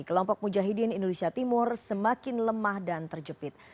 kelompok mujahidin indonesia timur semakin lemah dan terjepit